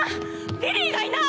リリーがいない！」。